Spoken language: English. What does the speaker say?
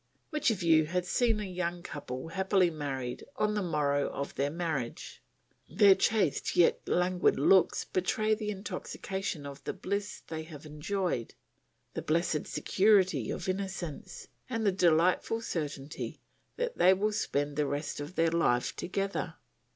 Which of you has seen a young couple, happily married, on the morrow of their marriage? their chaste yet languid looks betray the intoxication of the bliss they have enjoyed, the blessed security of innocence, and the delightful certainty that they will spend the rest of their life together.